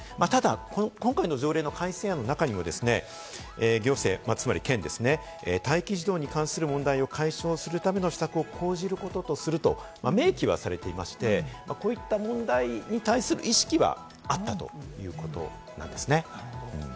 ただ、今回の条例の改正案の中にもですね、行政つまり県ですね、待機児童に関する問題を解消するための施策を講じることとすると明記はされていまして、こういった問題に対する意識はあったということなんですね。